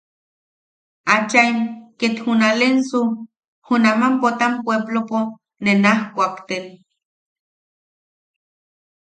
Achaim ket junalensu, junaman Potam pueplopo ne naaj kuakten.